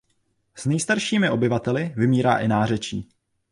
S nejstaršími obyvateli vymírá i nářečí.